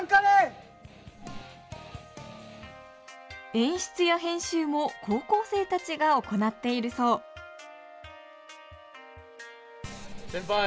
演出や編集も高校生たちが行っているそう先輩